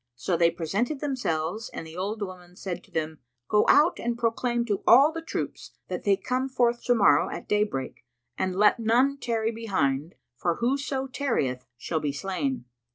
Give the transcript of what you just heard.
So they presented themselves and the old woman said to them, "Go out and proclaim to all the troops that they come forth to morrow at daybreak and let none tarry behind, for whoso tarryeth shall be slain."